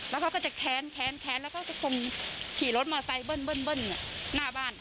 แล้วเขาก็จะแค้นแค้นแล้วเขาก็คงขี่รถมอไซค์เบิ้ลหน้าบ้าน